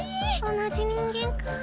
同じ人間かー。